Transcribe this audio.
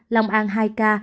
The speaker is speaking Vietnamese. lòng an hai ca